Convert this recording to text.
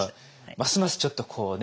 ますますちょっとこうね